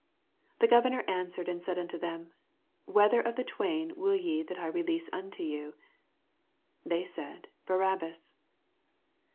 21 The governor answered and said onto them, Whether of the twain wiU ye that I release unto youf They said, Barabbas.